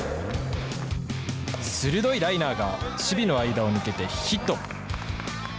鋭いライナーが、守備の間を抜けてヒット。